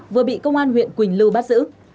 vừa bị công an huyện quỳnh lưu bắt giữ